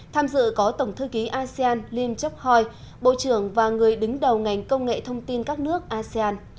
tham dự có tổng thư ký asean lim chok hoi bộ trưởng và người đứng đầu ngành công nghệ thông tin các nước asean